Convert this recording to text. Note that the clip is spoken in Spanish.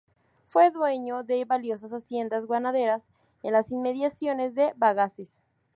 Fue dueño de valiosas haciendas ganaderas en las inmediaciones de Bagaces.